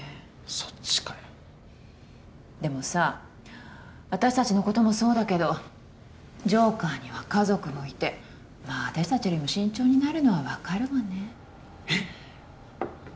そっちかよでもさ私たちのこともそうだけどジョーカーには家族もいてまあ私たちよりも慎重になるのは分かるわねえっ！？